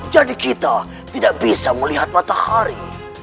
jadi kita tidak bisa melihat matahari